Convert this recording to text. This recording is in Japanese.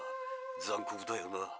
残酷だよな。